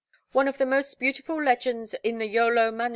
One of the most beautiful legends in the Iolo MSS.